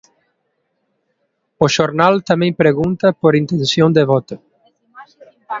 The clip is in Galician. O xornal tamén pregunta por intención de voto.